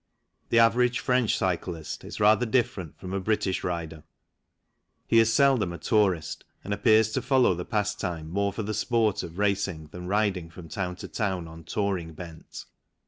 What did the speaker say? The average French cyclist is rather different from a British rider ; he is seldom a tourist and appears to follow the pastime more for the sport of racing than riding from town to town on touring bent.